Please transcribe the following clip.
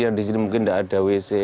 yang di sini mungkin tidak ada wc